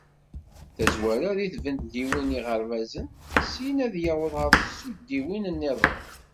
Tazwara, deg tdebliwin d yiɣerbazen, syin ad yaweḍ ɣer tsuddiwin-nniḍen.